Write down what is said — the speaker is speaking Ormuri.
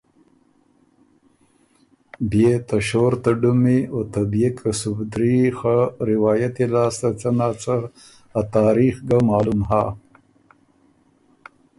بيې ته شور ته ډُمی او ته بيې کسُبدري خه روائتی لاسته څۀ نا څۀ ا تاریخ ګۀ معلوم هۀ